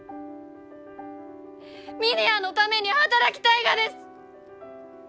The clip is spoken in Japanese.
峰屋のために働きたいがです！